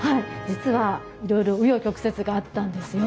実はいろいろ紆余曲折があったんですよ。